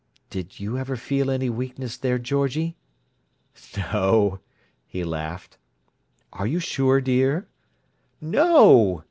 "Did you ever feel any weakness there, Georgie?" "No!" he laughed. "Are you sure, dear?" "No!"